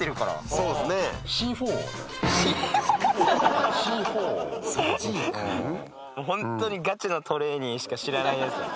もうホントにガチのトレーニーしか知らないやつだ。